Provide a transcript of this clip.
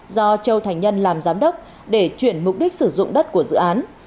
do châu thành nhân làm giám đốc để chuyển mục đích sử dụng đất của dự án